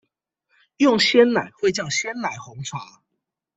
用鮮奶會叫鮮奶紅茶